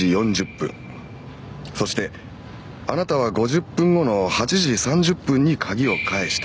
そしてあなたは５０分後の８時３０分に鍵を返した。